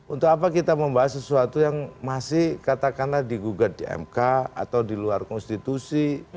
untuk apa kita membahas sesuatu yang masih katakanlah digugat di mk atau di luar konstitusi